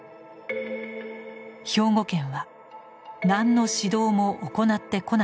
兵庫県は「何の指導も行ってこなかった」。